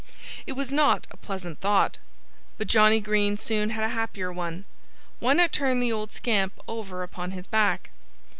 It was not a pleasant thought. But Johnnie Green soon had a happier one: why not turn the old scamp over upon his back?